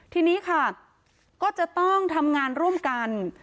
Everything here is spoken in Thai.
ทีนี้ค่ะก็จะต้องทำงานร่วมกัน